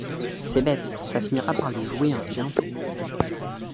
C'est bête, ça finira par lui jouer un vilain tour.